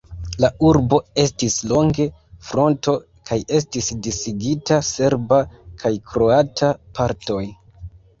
La urbo estis longe fronto kaj estis disigita serba kaj kroata partoj.